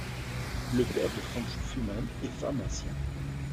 Le père de Franz Fûhmann est pharmacien.